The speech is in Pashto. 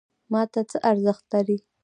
ماته څه ارزښت لري؟